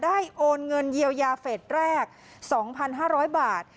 โอนเงินเยียวยาเฟสแรก๒๕๐๐บาท